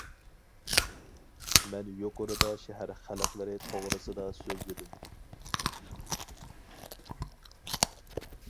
مەن يۇقىرىدا شەھەر خەلقلىرى توغرىسىدا سۆزلىدىم.